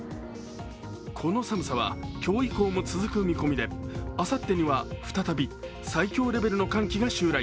この寒さは今日以降も続く見込みであさってには再び最強レベルの寒気が襲来。